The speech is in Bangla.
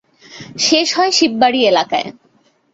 শেষ হয় শিববাড়ি এলাকায়।